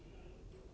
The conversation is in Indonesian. dia udah berangkat